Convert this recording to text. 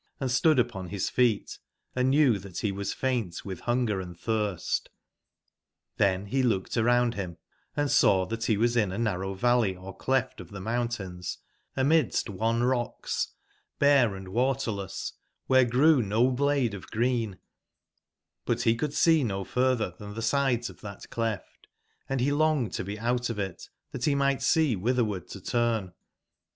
and stood upon bis feet, and knew tbat be was faint fwitb bungerand tbirst.tTben be looked around bim, and saw tbat be was in a narrow valley or clef t of tbc mountains amidst wan rocks, bare and waterless, wbere grew no blade of green ; but be could see no furtber tban tbe sides of tbat cleft, and belonged to be out of it tbat be migbt see wbitberward to turn.